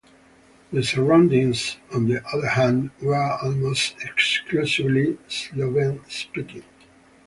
The surroundings, on the other hand, were almost exclusively Slovene-speaking.